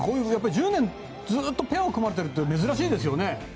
１０年ずっとペアを組まれてるって珍しいですよね。